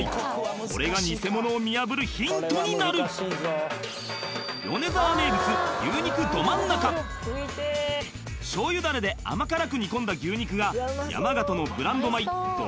これがニセモノを見破るヒントになる米沢名物醤油ダレで甘辛く煮込んだ牛肉が山形のブランド米ど